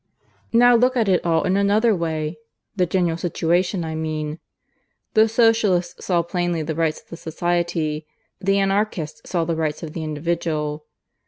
"Now look at it all in another way the general situation, I mean. "The Socialist saw plainly the rights of the Society; the Anarchist saw the rights of the Individual.